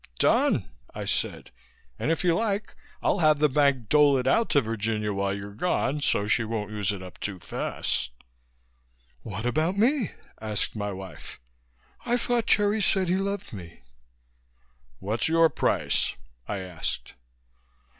"Done!" I said, "and if you like I'll have the bank dole it out to Virginia while you're gone, so she won't use it up too fast." "What about me?" asked my wife. "I thought Jerry said he loved me." "What's your price?" I asked.